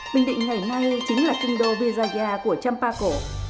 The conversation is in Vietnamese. bình định ngày nay chính là kinh đô visaya của champa cổ